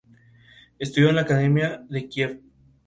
Estudió en la Academia de Kiev.